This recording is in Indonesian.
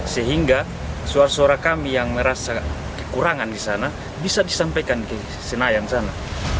sehingga suara suara kami yang merasa kekurangan di sana bisa disampaikan ke senayan sana